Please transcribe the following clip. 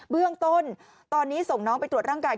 เบื้องต้นตอนนี้ส่งน้องไปตรวจร่างกาย